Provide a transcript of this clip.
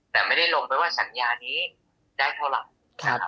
แต่ไม่ได้ลงไปว่าสัญญานี้ได้เท่าไหร่นะครับ